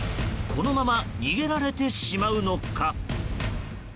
このまま逃げられてしまうのか。